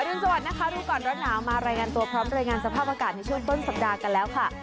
รุนสวัสดินะคะรู้ก่อนร้อนหนาวมารายงานตัวพร้อมรายงานสภาพอากาศในช่วงต้นสัปดาห์กันแล้วค่ะ